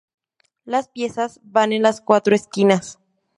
Las piezas van en las cuatro esquinas.